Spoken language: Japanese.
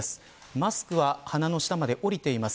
マスクは鼻の下まで下りています。